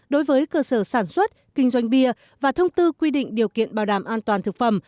đối với cơ sở sản xuất kinh doanh bia và thông tư quy định điều kiện bảo đảm an toàn thực phẩm